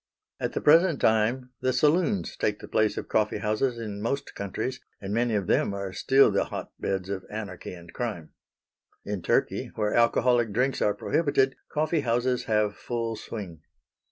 At the present time the saloons take the place of coffee houses in most countries, and many of them are still the hotbeds of anarchy and crime. In Turkey, where alcoholic drinks are prohibited, coffee houses have full swing.